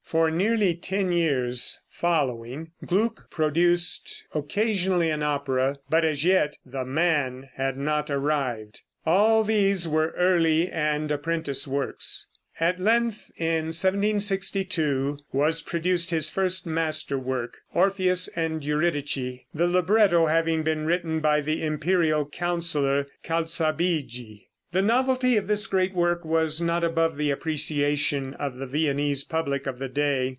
For nearly ten years following Gluck produced occasionally an opera, but as yet the man had not arrived; all these were early and apprentice works. At length in 1762 was produced his first master work, "Orpheus and Eurydice," the libretto having been written by the imperial councillor Calzabigi. The novelty of this great work was not above the appreciation of the Viennese public of the day.